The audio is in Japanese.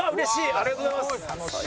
ありがとうございます！